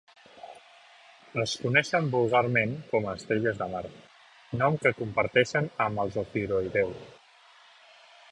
Es coneixen vulgarment com a estrelles de mar, nom que comparteixen amb els ofiuroïdeus.